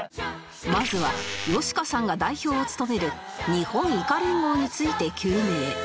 まずはよしかさんが代表を務める日本いか連合について究明